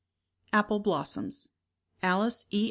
Apple Blossoms, Alice E.